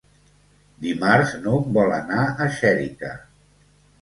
Dimarts n'Hug vol anar a Xèrica.